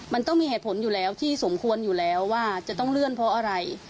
มันต้องมีเหตุผลอยู่แล้วที่สมควรอยู่แล้วว่าจะต้องเลื่อนเพราะอะไร